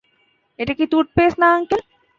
এটা কি টুথপেষ্ট না, আঙ্কেল?